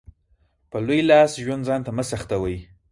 په لوی لاس ژوند ځانته مه سخوئ.